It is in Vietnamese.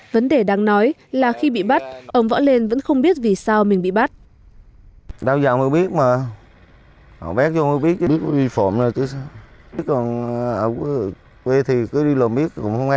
vấn đề đáng nói là khi bị bắt ông võ lên vẫn không biết vì sao mình bị bắt